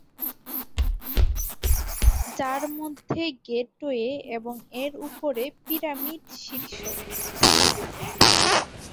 যার মধ্যে গেটওয়ে এবং এর উপরে পিরামিড শীর্ষ